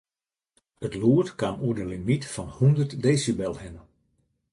It lûd kaam oer de limyt fan hûndert desibel hinne.